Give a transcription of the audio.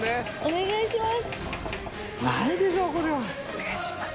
お願いします。